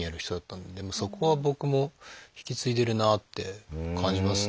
そこは僕も引き継いでるなって感じますね。